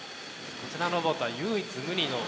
こちらのロボットは唯一無二の。